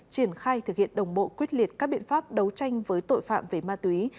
triển khai thực hiện đồng bộ quyết liệt các biện pháp đấu tranh với tội phạm về ma túy